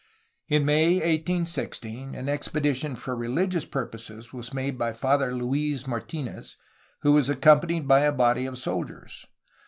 In May 1816 an expedition for religious purposes was made by Father Luis Martinez, who was accompanied by a body of soldiers.